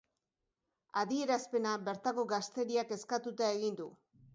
Adierazpena bertako gazteriak eskatuta egin du.